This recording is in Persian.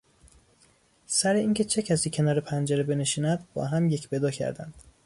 سر اینکه چه کسی کنار پنجره بنشیند با هم یک به دو کردند.